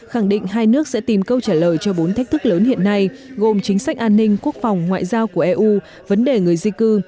khẳng định hai nước sẽ tìm câu trả lời cho bốn thách thức lớn hiện nay gồm chính sách an ninh quốc phòng ngoại giao của eu vấn đề người di cư